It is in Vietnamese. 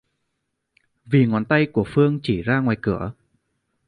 vì ngón tay của Phương chỉ ra ngoài cửa